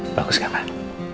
bagus gak mbak